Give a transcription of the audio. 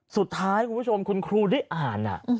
สุดท้ายคุณผู้ชมคุณครูได้อ่าน